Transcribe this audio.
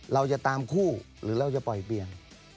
เราจะตามคู่หรือเราจะปล่อยเปลี่ยน